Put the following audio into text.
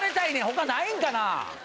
他ないんかな。